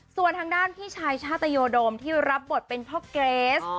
ส่วนทางด้านพี่ชายชาตยโดมที่รับบทเป็นพ่อเกรส